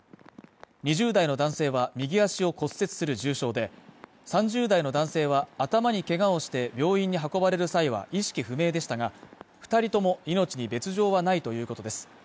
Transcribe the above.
２０代の男性は右足を骨折する重傷で、３０代の男性は頭にけがをして病院に運ばれる際は意識不明でしたが、２人とも命に別状はないということです。